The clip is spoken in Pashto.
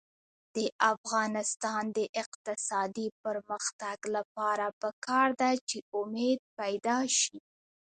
د افغانستان د اقتصادي پرمختګ لپاره پکار ده چې امید پیدا شي.